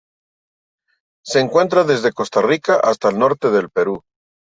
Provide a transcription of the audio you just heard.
Se encuentra desde Costa Rica hasta el norte del Perú.